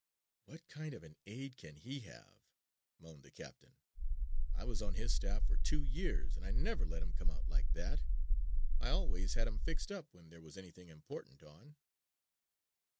"What kind of an aide can he have," moaned the captain. "I was on his staff for two years and I never let him come out like that. I always had him fixed up when there was anything important on."